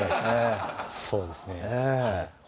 そうですね